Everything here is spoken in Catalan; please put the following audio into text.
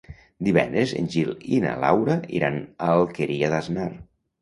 Divendres en Gil i na Laura iran a l'Alqueria d'Asnar.